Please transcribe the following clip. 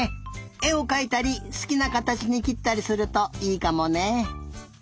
えをかいたりすきなかたちにきったりするといいかもね。